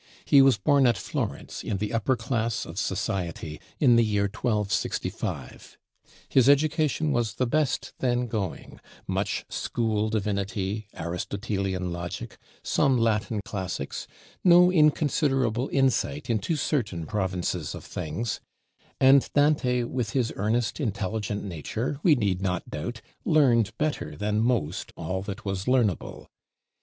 He was born at Florence, in the upper class of society, in the year 1265. His education was the best then going; much school divinity, Aristotelian logic, some Latin classics, no inconsiderable insight into certain provinces of things: and Dante, with his earnest intelligent nature, we need not doubt, learned better than most all that was learnable.